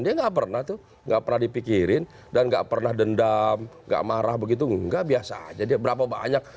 dia nggak pernah tuh gak pernah dipikirin dan nggak pernah dendam gak marah begitu enggak biasa aja dia berapa banyak